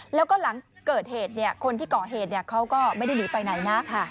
แล้วก็หลังเกิดเหตุคนที่ก่อเหตุเขาก็ไม่ได้หนีไปไหนนะ